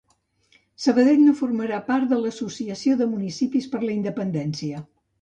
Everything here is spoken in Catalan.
Sabadell no formarà part de l'Associació de Municipis per la Independència.